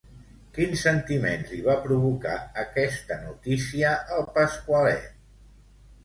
Quins sentiments li va provocar aquesta notícia al Pasqualet?